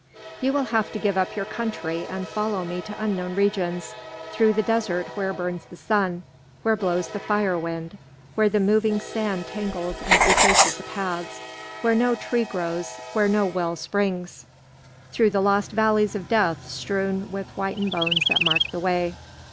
"You will have to give up your country and follow me to unknown regions, through the desert where burns the sun, where blows the fire wind, where the moving sand tangles and effaces the paths, where no tree grows, where no well springs, through the lost valleys of death strewn with whitened bones that mark the way."